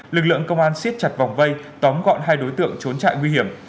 lực lượng công an xiết chặt vòng vây tóm gọn hai đối tượng trốn trại nguy hiểm